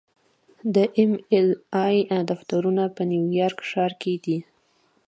د ایم ایل اې دفترونه په نیویارک ښار کې دي.